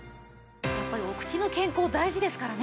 やっぱりお口の健康大事ですからね。